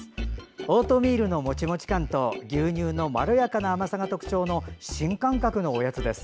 オートミールのモチモチ感と牛乳のまろやかな甘さが特徴の新感覚のおやつです。